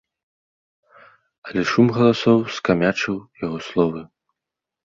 Але шум галасоў скамячыў яго словы.